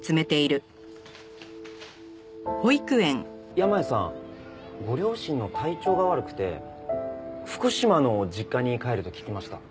山家さんご両親の体調が悪くて福島の実家に帰ると聞きました。